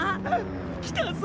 来たぞ。